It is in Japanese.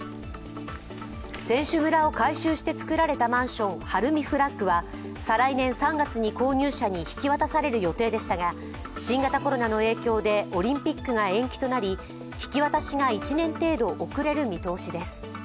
選手村を改修してつくられたマンション、晴海フラッグは再来年３月に購入者に引き渡される予定でしたが新型コロナの影響でオリンピックが延期となり引き渡しが１年程度遅れる見通しです。